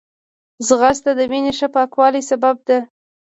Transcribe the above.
ځغاسته د وینې ښه پاکوالي سبب ده